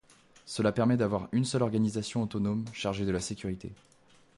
Cela permet d'avoir une seule organisation autonome chargée de la sécurité.